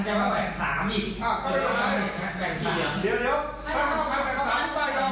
ยังแบ่งอีกแล้ว